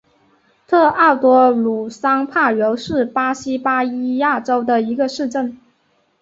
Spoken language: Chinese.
特奥多鲁桑帕尤是巴西巴伊亚州的一个市镇。